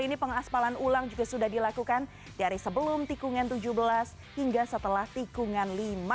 ini pengaspalan ulang juga sudah dilakukan dari sebelum tikungan tujuh belas hingga setelah tikungan lima